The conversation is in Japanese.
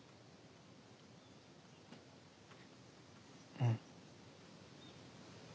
うん。